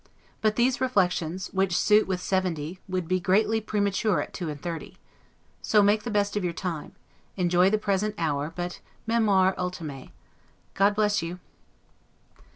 But these reflections, which suit with seventy, would be greatly premature at two and thirty. So make the best of your time; enjoy the present hour, but 'memor ultimae'. God bless you!